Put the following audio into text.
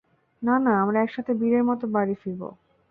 না, না, আমরা একসাথে বীরের মতো বাড়ি ফিরব!